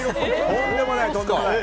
とんでもない。